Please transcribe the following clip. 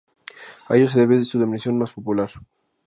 A ello se debe su denominación más popular.